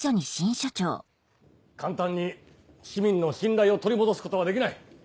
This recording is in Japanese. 簡単に市民の信頼を取り戻すことはできない。